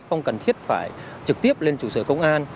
không cần thiết phải trực tiếp lên trụ sở công an